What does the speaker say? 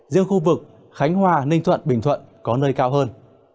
riêng khu vực khánh hòa ninh thuận bình thuận có nơi cao hơn